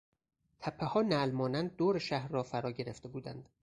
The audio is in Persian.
تپهها، نعل مانند دور شهر را فرا گرفته بودند.